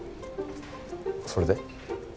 それで？